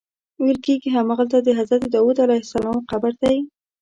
ویل کېږي همغلته د حضرت داود علیه السلام قبر دی.